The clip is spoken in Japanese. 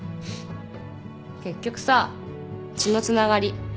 結局さ血のつながり。